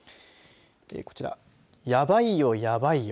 こちら、やばいよやばいよ